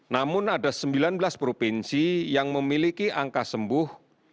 namun ada sembilan belas provinsi yang memiliki angka sembuh